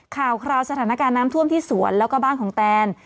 ข่าวคราวสถานการณ์น้ำท่วมที่สวนแล้วก็บ้านของแตน